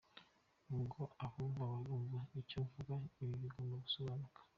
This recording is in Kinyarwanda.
Ubwo abumva barumva icyo mvuga, ibintu bigomba gusobanuka.